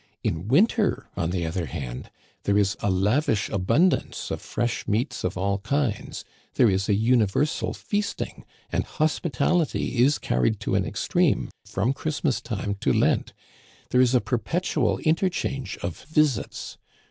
In winter, on the other hand, there is a lavish abundance of fresh meats of all kinds ; there is a universal feasting, and hospitality is carried to an ex treme from Christmas time to Lent ; there is a perpetual interchange of visits.